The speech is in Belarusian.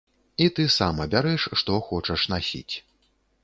І ты сам абярэш, што хочаш насіць.